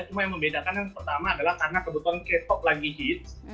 cuma yang membedakan yang pertama adalah karena kebetulan k pop lagi hits